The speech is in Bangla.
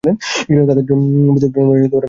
তাদের জন্য পৃথক টুর্নামেন্টের আয়োজন করে।